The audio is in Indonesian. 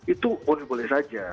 itu boleh boleh saja